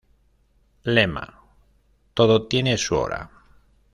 Lema: "Todo tiene su hora".